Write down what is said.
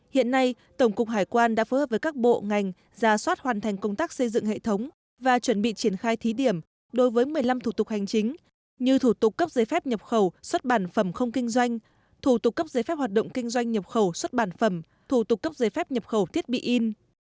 hiện nay tổng cục hải quan đã phối hợp với các bộ ngành ra soát hoàn thành công tác xây dựng hệ thống và chuẩn bị triển khai thí điểm đối với một mươi năm thủ tục hành chính như thủ tục cấp giấy phép nhập khẩu xuất bản phẩm không kinh doanh thủ tục cấp giấy phép hoạt động kinh doanh nhập khẩu xuất bản phẩm thủ tục cấp giấy phép nhập khẩu thiết bị in